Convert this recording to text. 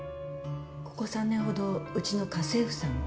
ここ３年ほどうちの家政婦さんを。